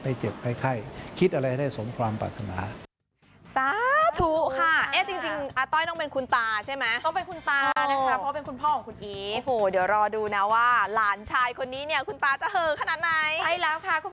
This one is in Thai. เจ็บไข้คิดอะไรได้สมความปรารถนา